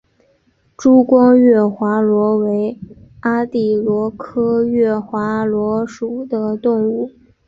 珠光月华螺为阿地螺科月华螺属的动物。